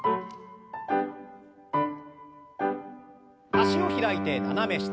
脚を開いて斜め下。